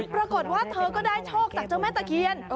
ปรากฏว่าเธอก็ได้โชคจากเจ้าแม่ตะเคียน